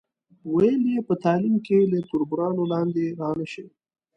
ویل یې په تعلیم کې له تربورانو لاندې را نشئ.